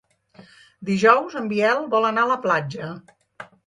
Dijous en Biel vol anar a la platja.